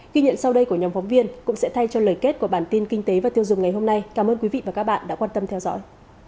ghi nhận sau đây của nhóm phóng viên cũng sẽ thay cho lời kết của bản tin kinh tế và tiêu dùng ngày hôm nay cảm ơn quý vị và các bạn đã quan tâm theo dõi